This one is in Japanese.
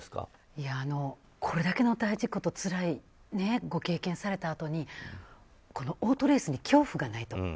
これだけの大事故とつらいご経験をされたあとにオートレースに恐怖がない。